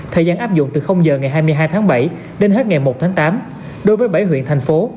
thời gian áp dụng từ giờ ngày hai mươi hai tháng bảy đến hết ngày một tháng tám đối với bảy huyện thành phố